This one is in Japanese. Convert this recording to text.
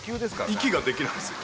息ができないんすよ